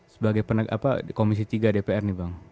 sebagai penegak apa komisi tiga dpr nih bang